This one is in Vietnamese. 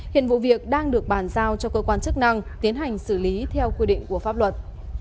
hiện vụ việc đang được bàn giao cho cơ quan chức năng tiến hành xử lý theo quy định của pháp luật